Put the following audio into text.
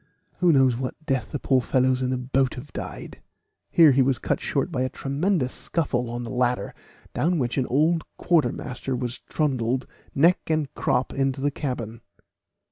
Who knows what death the poor fellows in the boat have died!" Here he was cut short by a tremendous scuffle on the ladder, down which an old quartermaster was trundled neck and crop into the cabin.